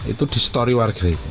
itu di story warga